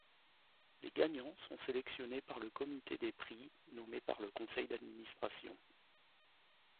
Les gagnants sont sélectionnés par le comité des prix nommé par le conseil d'administration.